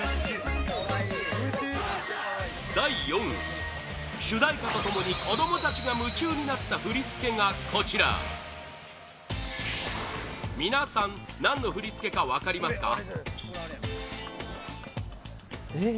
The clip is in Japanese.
第４位主題歌と共に子供たちが夢中になった振り付けが、こちら皆さん何の振り付けか分かりますか？